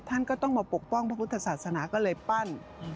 ท่านก็ต้องมาปกป้องพระพุทธศาสนาก็เลยปั้น